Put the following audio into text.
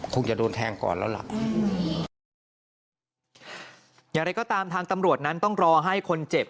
คงจะโดนแทงก่อนแล้วล่ะอย่างไรก็ตามทางตำรวจนั้นต้องรอให้คนเจ็บ